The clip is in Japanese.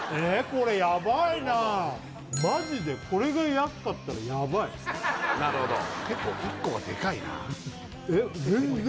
これやばいなあマジでこれが安かったらやばいなるほど結構１個がでかいなえっ全然分かんねえ